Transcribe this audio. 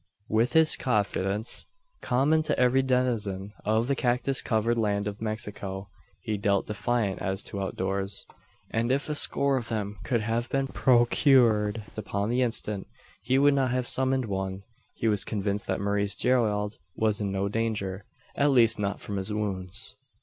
With this confidence common to every denizen of the cactus covered land of Mexico he felt defiant as to doctors; and if a score of them could have been procured upon the instant, he would not have summoned one. He was convinced that Maurice Gerald was in no danger at least not from his wounds.